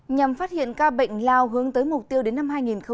nhằm phát hiện ca bệnh lao hướng tới mục tiêu đến năm hai nghìn ba mươi